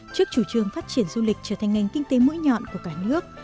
trước chủ trương phát triển du lịch trở thành ngành kinh tế mũi nhọn của cả nước